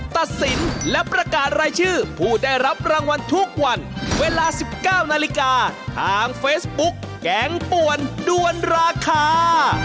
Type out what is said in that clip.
ตัดสินและประกาศรายชื่อผู้ได้รับรางวัลทุกวันเวลา๑๙นาฬิกาทางเฟซบุ๊กแกงป่วนด้วนราคา